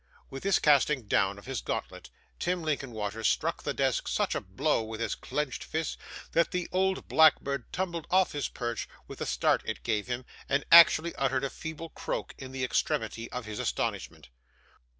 With this casting down of his gauntlet, Tim Linkinwater struck the desk such a blow with his clenched fist, that the old blackbird tumbled off his perch with the start it gave him, and actually uttered a feeble croak, in the extremity of his astonishment.